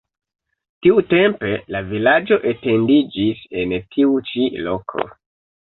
Tiutempe la vilaĝo etendiĝis en tiu ĉi loko.